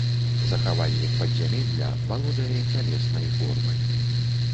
Захавальнік падзямелля валодае цялеснай формай.